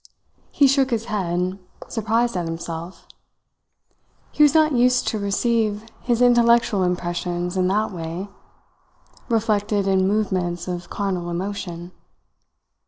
He shook his head, surprised at himself. He was not used to receive his intellectual impressions in that way reflected in movements of carnal emotion.